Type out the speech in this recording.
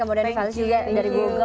kemudian fals juga dari google